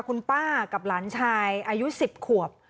คุณป้ากับหลานชายอายุ๑๐ขวบ